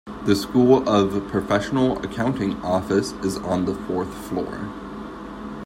The School of Professional Accounting office is on the fourth floor.